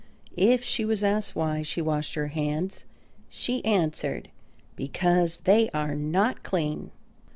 If she was asked why she washed her hands she answered, "Because they are not clean."